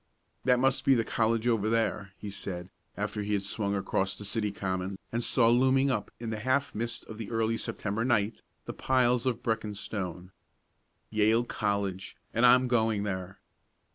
"That must be the college over there," he said after he had swung across the city common, and saw looming up in the half mist of the early September night, the piles of brick and stone. "Yale College and I'm going there!"